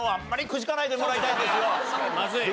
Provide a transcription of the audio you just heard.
まずい。